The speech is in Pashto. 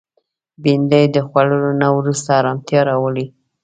بېنډۍ د خوړلو نه وروسته ارامتیا راولي